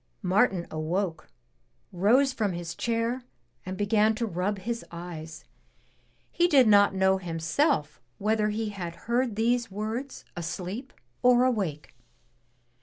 Martin awoke, rose from his chair and began to rub his eyes. He did not know himself whether he had heard these words asleep or awake.